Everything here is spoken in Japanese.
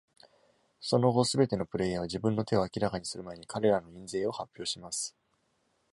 その後、すべてのプレイヤーは、自分の手を明らかにする前に、彼らの印税を発表します。